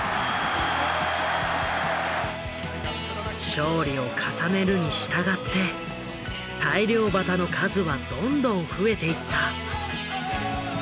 勝利を重ねるに従って大漁旗の数はどんどん増えていった。